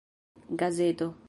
gazeto